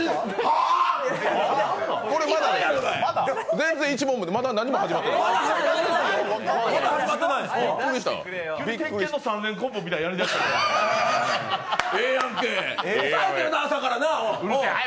全然１問目、まだ始まってない。